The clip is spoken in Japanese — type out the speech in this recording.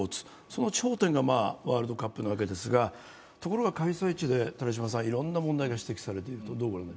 その頂点がワールドカップなわけですが、ところが開催地でいろんな問題が指摘されている。